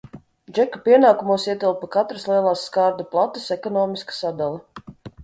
Džeka pienākumos ietilpa katras lielās skārda plates ekonomiska sadale.